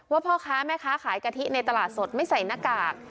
พ่อค้าแม่ค้าขายกะทิในตลาดสดไม่ใส่หน้ากาก